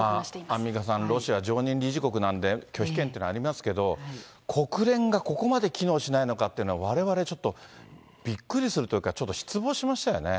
アンミカさん、ロシア、常任理事国なんで、拒否権というのはありますけど、国連がここまで機能しないのかっていうのは、われわれ、ちょっとびっくりするというか、ちょっと失望しましたよね。